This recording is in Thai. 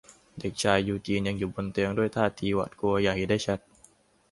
เด็กชายยูจีนยังอยู่บนเตียงด้วยท่าทีหวาดกลัวอย่างเห็นได้ชัด